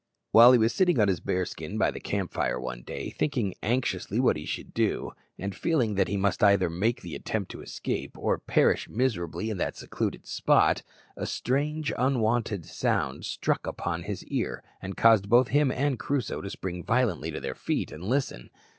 While he was sitting on his bearskin by the camp fire one day, thinking anxiously what he should do, and feeling that he must either make the attempt to escape or perish miserably in that secluded spot, a strange, unwonted sound struck upon his ear, and caused both him and Crusoe to spring violently to their feet and listen.